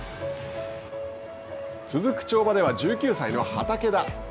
続く跳馬では１９歳の畠田。